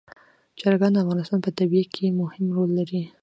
چرګان د افغانستان په طبیعت کې مهم رول لري.